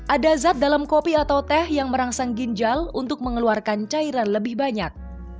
ada zat dalam kopi atau teh yang merangsang ginjal untuk mengeluarkan cairan lebih banyak